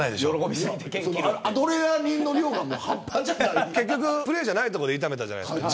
アドレナリンの量が半端じゃないプレーじゃないところで痛めたじゃないですか。